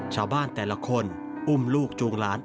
ชาวบ้านแต่ละคนอุ้มลูกจูงหลาน